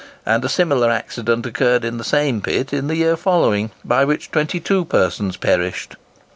And a similar accident occurred in the same pit in the year following, by which 22 persons perished.